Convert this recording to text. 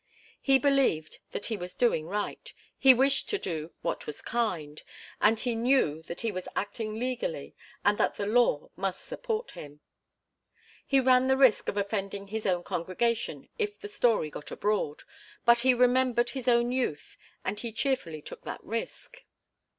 He believed that he was doing right, he wished to do what was kind, and he knew that he was acting legally and that the law must support him. He ran the risk of offending his own congregation if the story got abroad, but he remembered his own youth and he cheerfully took that risk.